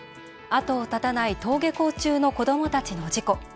後を絶たない登下校中の子どもたちの事故。